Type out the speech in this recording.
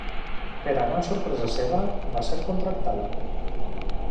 Per a gran sorpresa seva, va ser contractada.